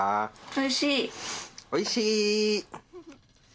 おいしい！